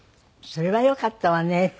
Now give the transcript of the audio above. それはよかったわね。